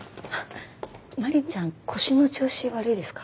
マリンちゃん腰の調子悪いですか？